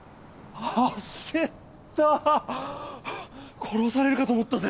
はぁ殺されるかと思ったぜ。